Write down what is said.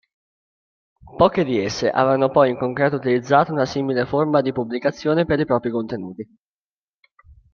Poche di esse avevano poi in concreto utilizzato una simile forma di pubblicazione per i propri contenuti.